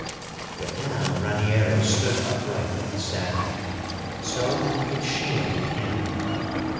But now Raniero stood upright in the saddle, so that he could shield the candle.